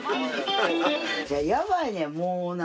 ヤバいねんもうな。